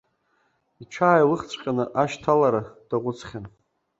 Иҽааилыхҵәҟьаны ашьҭалара даҟәыҵхьан.